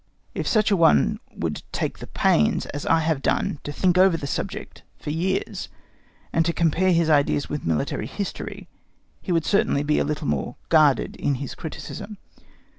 If such a one would take the pains, as I have done, to think over the subject, for years, and to compare his ideas with military history, he would certainly be a little more guarded in his criticism.